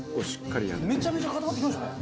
めちゃめちゃ固まってきましたね。